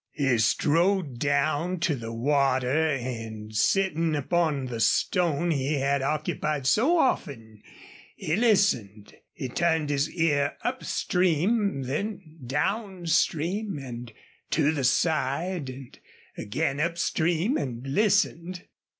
He strode down to the water and, sitting upon the stone he had occupied so often, he listened. He turned his ear up stream, then down stream, and to the side, and again up stream and listened.